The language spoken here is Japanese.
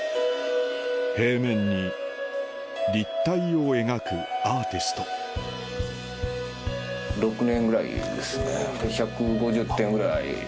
平面に立体を描くアーティスト６年ぐらいですね。